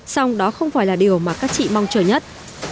xong đó không phải là điều mà các chị mong chờ nhất